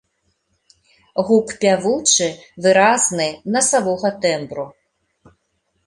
Гук пявучы, выразны, насавога тэмбру.